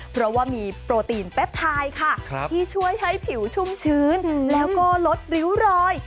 เพราะว่ามีโปรตีนแป๊บไทค่ะที่ช่วยให้ผิวชุ่มชื้นแล้วก็ลดริ้วรอย